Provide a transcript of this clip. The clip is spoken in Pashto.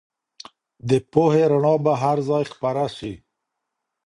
د پوهې رڼا به هر ځای خپره سي.